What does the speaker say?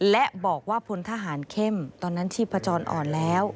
และบอกว่าพลทหารเข้มตอนนั้นชีพจรอ่อนแล้ว